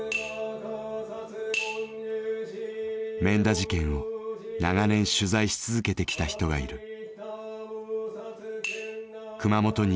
免田事件を長年取材し続けてきた人がいる。